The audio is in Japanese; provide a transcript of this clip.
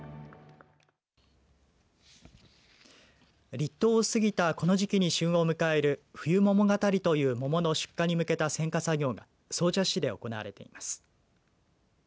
立冬を過ぎたこの時期に旬を迎える冬桃がたりという桃の出荷に向けた選果作業が総社市で行われています。